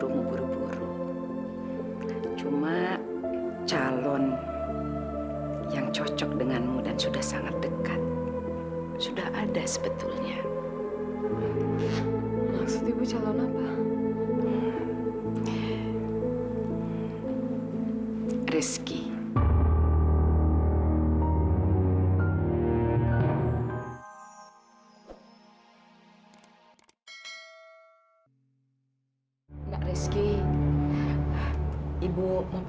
nak rizky ibu mau pamit dulu